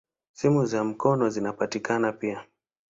Simu za mkono zinapatikana pia.